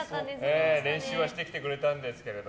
練習はしてきてくれたんですけど。